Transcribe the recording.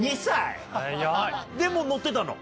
もう乗ってたの？